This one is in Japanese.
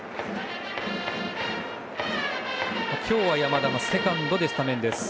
今日は山田セカンドでスタメンです。